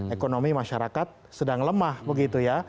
ekonomi masyarakat sedang lemah begitu ya